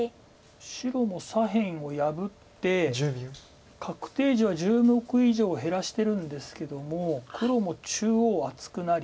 白も左辺を破って確定地は１０目以上減らしてるんですけども黒も中央厚くなり